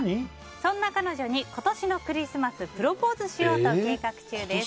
そんな彼女に今年のクリスマスプロポーズしようと計画中です。